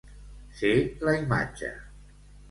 Ser la imatge.